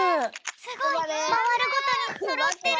すごい。まわるごとにそろってる！